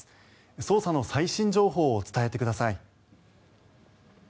捜査の最新情報を伝えてください。